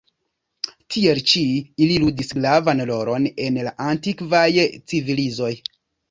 Tiel ĉi, ili ludis gravan rolon en la antikvaj civilizoj.